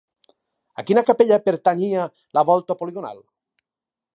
A quina capella pertanyia la volta poligonal?